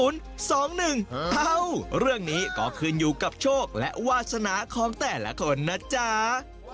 เอ้าเรื่องนี้ก็ขึ้นอยู่กับโชคและวาสนาของแต่ละคนนะจ๊ะ